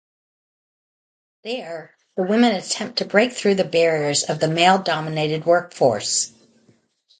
There, the women attempt to break through the barriers of the male-dominated workforce.